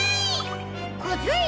コズい？